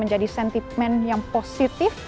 menjadi sentimen yang positif